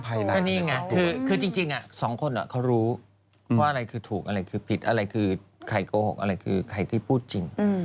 อันนี้ไงคือจริงสองคนเขารู้ว่าอะไรคือถูกอะไรคือผิดอะไรคือใครโกหกอะไรคือใครที่พูดจริง